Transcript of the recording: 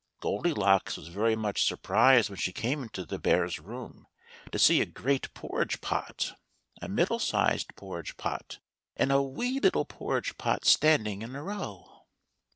Goldilocks was very much surprised when she came into the bears' room, to see a great porridge pot, a middle sized porridge pot, and a wee little porridge pot standing in a row.